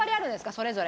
それぞれ。